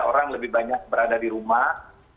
orang lebih banyak berada di rumah